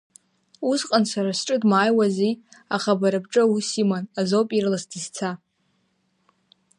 Усҟан сара сҿы дмааиуази, аха бара бҿы аус иман азоуп ирлас дызца.